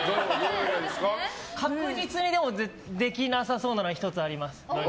確実にできなさそうなのは１つあります。